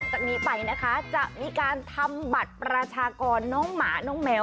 จากนี้ไปนะคะจะมีการทำบัตรประชากรน้องหมาน้องแมว